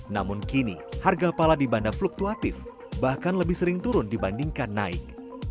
namun kini harga pala di banda fluktuatif bahkan lebih sering turun dibandingkan naik